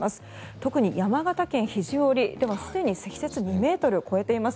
特に山形県肘折ではすでに積雪が２ｍを超えています。